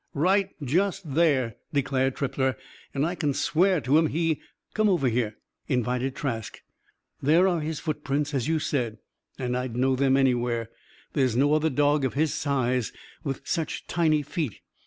"Right just there," declared Trippler. "And I c'n swear to him. He " "Come over here," invited Trask. "There are his footprints. As you said. And I'd know them anywhere. There's no other dog of his size with such tiny feet.